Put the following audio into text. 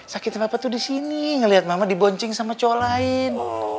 sakitnya papa tuh di sini ngelihat mama diboncing sama colain